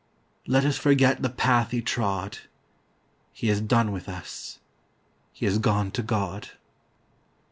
Let us forget the path he trod, He has done with us, He has gone to God.